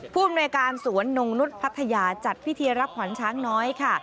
ผู้อำนวยการสวนนงนุษย์พัทยาจัดพิธีรับขวัญช้างน้อยค่ะ